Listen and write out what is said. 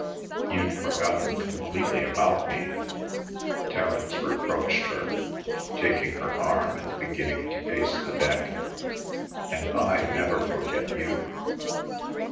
"You'd forgotten completely about me," Terence reproached her, taking her arm and beginning to pace the deck, "and I never forget you."